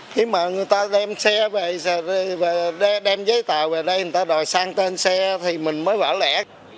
khi mà người ta đem xe về đem giấy tờ về đây người ta đòi sang tên xe thì mình mới vỡ lẻ